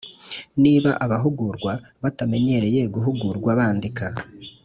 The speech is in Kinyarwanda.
Niba abahugurwa batamenyereye guhugurwa bandika